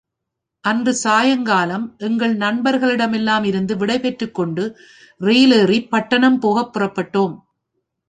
அன்று சாயங்காலம் எங்கள் நண்பர்களிடமெல்லாமிருந்து விடைபெற்றுக் கொண்டு ரெயிலேறிப் பட்டணம் போகப் புறப்பட்டோம்.